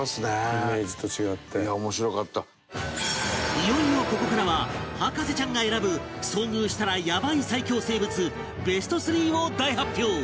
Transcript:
いよいよここからは博士ちゃんが選ぶ遭遇したらヤバい最恐生物ベスト３を大発表